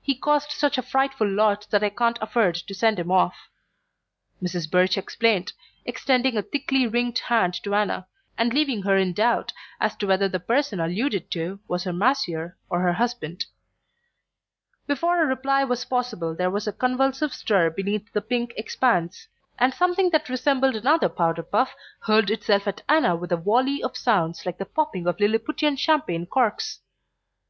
He costs such a frightful lot that I can't afford to send him off," Mrs. Birch explained, extending a thickly ringed hand to Anna, and leaving her in doubt as to whether the person alluded to were her masseur or her husband. Before a reply was possible there was a convulsive stir beneath the pink expanse, and something that resembled another powder puff hurled itself at Anna with a volley of sounds like the popping of Lilliputian champagne corks.